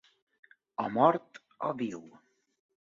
O mort o viu.